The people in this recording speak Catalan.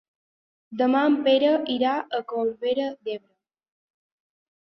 Demà en Pere irà a Corbera d'Ebre.